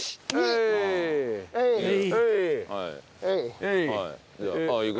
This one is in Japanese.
はい。